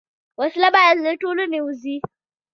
وسله باید له ټولنې ووځي